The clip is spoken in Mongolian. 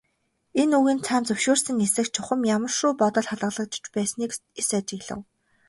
Энэ үгийн цаана зөвшөөрсөн эсэх, чухам ямар шүү бодол хадгалагдаж байсныг эс ажиглав.